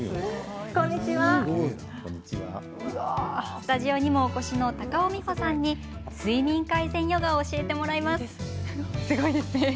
スタジオにもお越しの高尾美穂さんに睡眠改善ヨガを教えてもらいます。